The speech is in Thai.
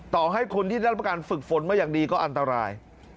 ต่อให้คนที่ได้รับประการฝึกฝนมาอย่างดีก็อันตราย